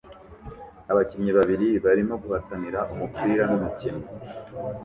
Abakinnyi babiri barimo guhatanira umupira nu mukino